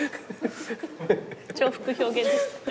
重複表現ですね。